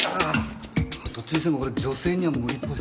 どっちにしてもこれ女性には無理っぽいですね。